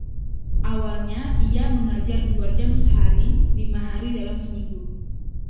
Awalnya ia mengajar dua jam sehari, lima hari dalam seminggu.